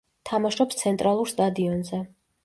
თამაშობს „ცენტრალურ“ სტადიონზე.